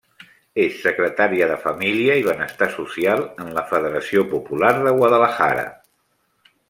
És secretària de família i benestar social en la federació popular de Guadalajara.